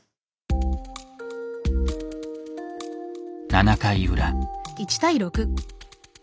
７回裏。